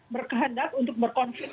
berkehadap untuk berkonflik